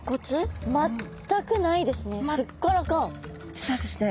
実はですね